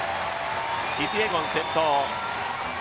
キピエゴン先頭。